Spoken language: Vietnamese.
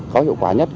có hiệu quả nhất